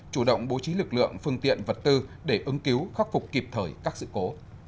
chủ động bố trí lực lượng phương tiện vật tư để ứng cứu khắc phục kịp thời các sự cố